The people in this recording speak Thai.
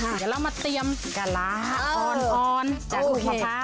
อี๋ยเดี๋ยวเรามาเตรียมกระลาอ่อนจากพากะเพรา